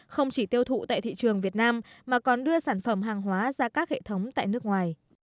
không chỉ tiêu thụ tại thị trường việt nam mà còn đưa sản phẩm hàng hóa ra các hệ thống tại nước ngoài